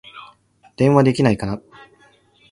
電話できないかな